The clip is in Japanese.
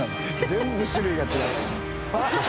全部種類が違う。